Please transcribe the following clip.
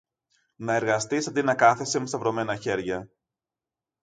Να εργαστείς αντί να κάθεσαι με σταυρωμένα χέρια!